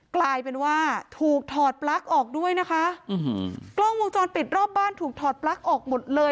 กลายเป็นว่าถูกถอดปลั๊กออกด้วยนะคะกล้องวงจรปิดรอบบ้านถูกถอดปลั๊กออกหมดเลย